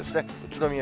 宇都宮、